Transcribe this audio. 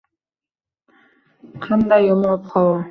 Qanday yomon ob-havo!